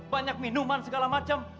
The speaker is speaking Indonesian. banyak minuman segala macam